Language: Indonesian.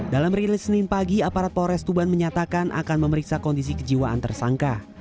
dalam rilis senin pagi aparat polres tuban menyatakan akan memeriksa kondisi kejiwaan tersangka